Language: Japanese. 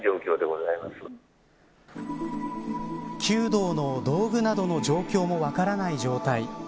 弓道の道具などの状況も分からない状態。